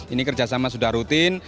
ini kerjasama sudah rutin